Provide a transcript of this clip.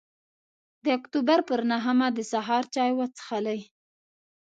د اکتوبر پر نهمه د سهار چای وڅښلې.